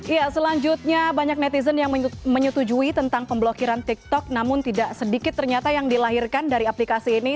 ya selanjutnya banyak netizen yang menyetujui tentang pemblokiran tiktok namun tidak sedikit ternyata yang dilahirkan dari aplikasi ini